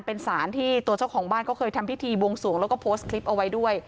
เป็นสารที่ตัวเจ้าของบ้านเขาเคยทำพิธีบวงสวงแล้วก็โพสต์คลิปเอาไว้ด้วย